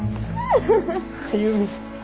歩。